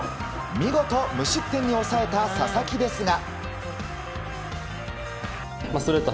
見事無失点に抑えた佐々木ですが。